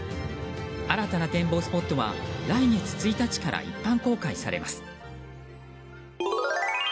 新たな展望スポットは来月１日から一般公開されます。